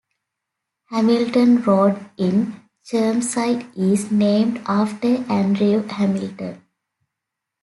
Hamilton Road in Chermside is named after Andrew Hamilton.